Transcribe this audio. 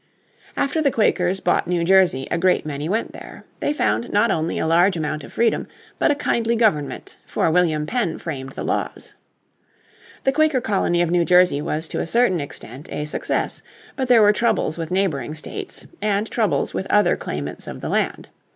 After the Quakers bought New Jersey a great many went there. They found not only a large amount of freedom, but a kindly government, for William Penn framed the laws. The Quaker colony of New Jersey was to a certain extent a success, but there were troubles with neighbouring states, and troubles with other claimants of the land.